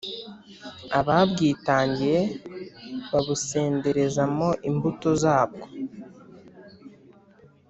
ababwitangiye bubasenderezamo imbuto zabwo;